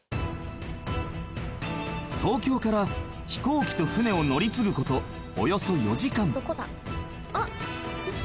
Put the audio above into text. ［東京から飛行機と船を乗り継ぐことおよそ４時間］